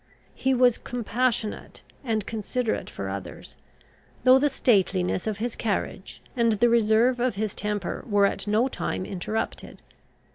He was compassionate and considerate for others, though the stateliness of his carriage and the reserve of his temper were at no time interrupted.